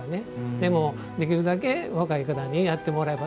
でも、できるだけ若い方にやってもらえれば。